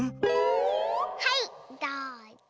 はいどうぞ。